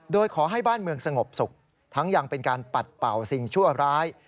โดยขอให้บ้านเมืองสงบสุขทั้งยังเป็นการปัดเป่าสิ่งชั่วร้าย